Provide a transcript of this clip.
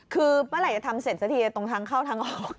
คือเมื่อไหร่จะทำเสร็จสักทีตรงทางเข้าทางออก